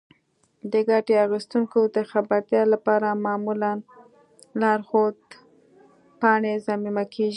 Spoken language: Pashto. د ګټې اخیستونکو د خبرتیا لپاره معمولا لارښود پاڼې ضمیمه کیږي.